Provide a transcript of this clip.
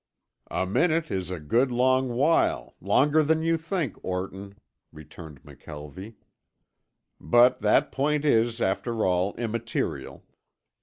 "A minute is a good long while, longer than you think, Orton," returned McKelvie. "But that point is, after all, immaterial.